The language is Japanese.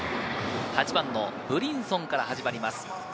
８番のブリンソンから始まります。